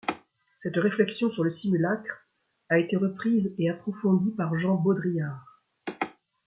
Cette réflexion sur le simulacre a été reprise et approfondie par Jean Baudrillard.